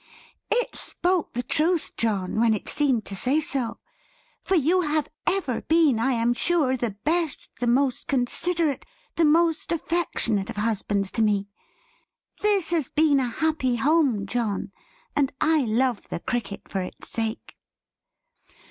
"It spoke the truth, John, when it seemed to say so: for you have ever been, I am sure, the best, the most considerate, the most affectionate of husbands to me. This has been a happy home, John; and I love the Cricket for its sake!"